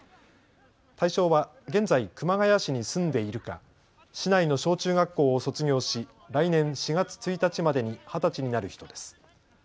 対象は現在熊谷市に住んでいるか市内の小中学校を卒業し来年４月１日までに二十歳になる人です。